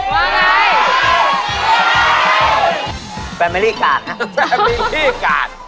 แว็กซี่ตำแหน่งที่๑ครับ